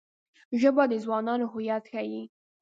ژبه د ځوانانو هویت ښيي